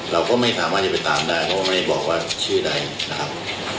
เราก็ไม่สามารถจะไปตามได้เพราะว่าไม่ได้บอกว่าชื่อใดนะครับ